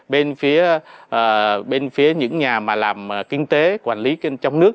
bên phía những nhà mà làm kinh tế quản lý trong nước